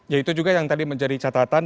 ya itu juga yang tadi menjadi catatan